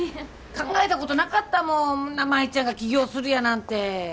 考えたことなかったもん舞ちゃんが起業するやなんて。